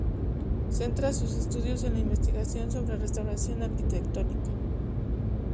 Centra sus estudios en la investigación sobre restauración arquitectónica.